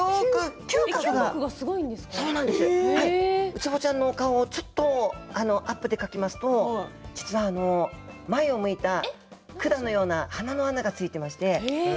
ウツボちゃんの顔をアップで描きますと実は前を向いた管のような鼻の穴が付いていまして。